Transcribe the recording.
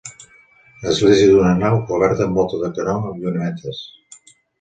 Església d'una nau, coberta amb volta de canó amb llunetes.